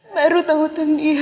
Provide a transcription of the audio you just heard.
meru tahu tentang dia